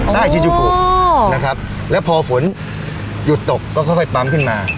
ชิจุกุนะครับแล้วพอฝนหยุดตกก็ค่อยปั๊มขึ้นมา